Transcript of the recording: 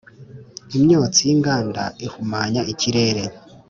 Imyotsi y’inganda ihumanya ikirere